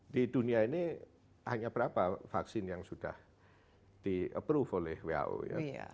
di dunia ini hanya berapa vaksin yang sudah di approve oleh who ya